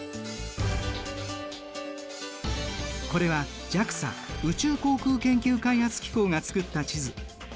これはＪＡＸＡ宇宙航空研究開発機構が作った地図。